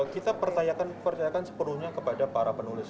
kita percayakan sepenuhnya kepada para penulis